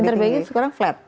internet banking sekarang flat